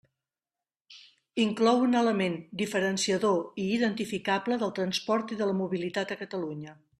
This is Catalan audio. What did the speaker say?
Inclou un element diferenciador i identificable del transport i de la mobilitat a Catalunya.